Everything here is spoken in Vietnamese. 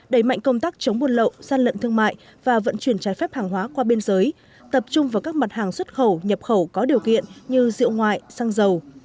đẩy mạnh công tác chống buôn lậu gian lận thương mại và vận chuyển trái phép hàng hóa qua biên giới tập trung vào các mặt hàng xuất khẩu nhập khẩu có điều kiện như rượu ngoại xăng dầu